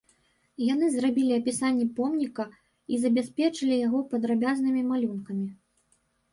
Яны зрабілі апісанне помніка і забяспечылі яго падрабязнымі малюнкамі.